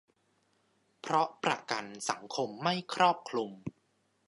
เพราะประกันสังคมไม่ครอบคลุม